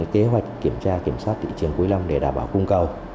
kế hoạch kiểm tra kiểm soát thị trường cuối năm để đảm bảo cung cầu